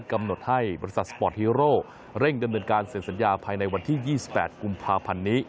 กำหนดให้บริษัทสปอร์ตฮีโร่เร่งดำเนินการเสร็จสัญญาภายในวันที่๒๘กุมภาพันธ์นี้